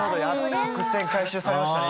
伏線回収されましたね